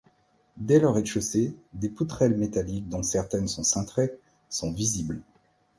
Dès le rez-de-chaussée, des poutrelles métalliques, dont certaines sont cintrées, sont visibles.